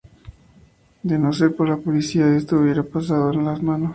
De no ser por la policía, esto hubiera pasado a las manos.